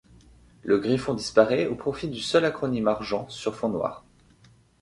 Le griffon disparaît au profit du seul acronyme argent sur fond noir.